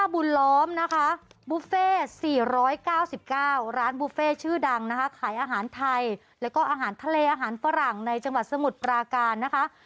บุญล้อมนะคะบุฟเฟ่๔๙๙ร้านบุฟเฟ่ชื่อดังนะคะขายอาหารไทยแล้วก็อาหารทะเลอาหารฝรั่งในจังหวัดสมุทรปราการนะคะ